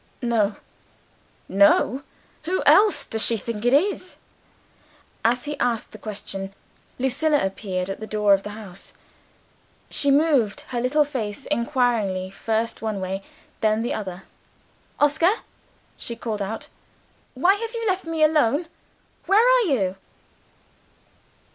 "No." "No!!! Who else does she think it is?" As he asked the question, Lucilla appeared at the door of the house. She moved her blind face inquiringly first one way, then the other. "Oscar!" she called out, "why have you left me alone? where are you?"